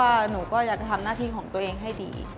แค่ว่าหนูจะทำหน้าที่ของตัวเองให้ดี